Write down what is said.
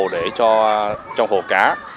để cho hồ cá